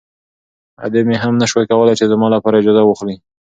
ادې مې هم نه شوای کولی چې زما لپاره اجازه واخلي.